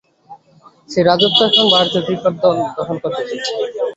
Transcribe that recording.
সে রাজত্ব এখন ভারতীয় ক্রিকেট দল দখল করতে চলেছে।